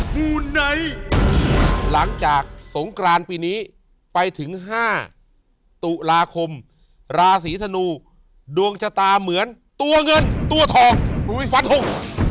หลังจากสงครานปีนี้ไปถึง๕ตุลาคมราศีสนูดวงชะตาเหมือนตัวเงินตัวทอง